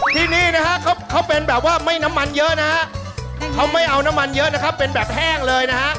ที่นี่นะฮะเขาเป็นแบบว่าไม่น้ำมันเยอะนะฮะเขาไม่เอาน้ำมันเยอะนะครับเป็นแบบแห้งเลยนะฮะ